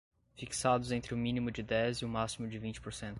fixados entre o mínimo de dez e o máximo de vinte por cento